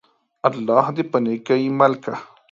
الله دي په نيکۍ مل که!